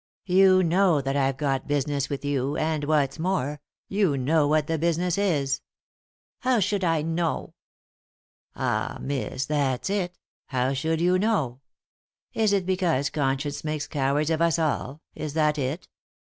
You know that I've got business with you, and, what's more, you know what the business is." " How should I know ?"" Ah, miss, that's it — how should you know ? Is it because conscience makes cowards of us all — is that it?